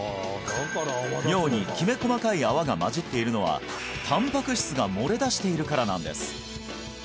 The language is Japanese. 尿にきめ細かい泡がまじっているのはたんぱく質が漏れ出しているからなんです